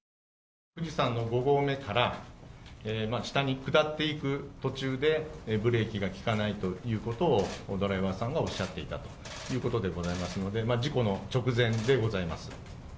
富士山の５合目から、下に下っていく途中で、ブレーキが利かないということをドライバーさんがおっしゃっていたということでございますので、事故の直前でございます。